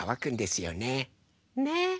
ねえ。